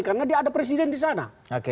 karena dia ada presiden disana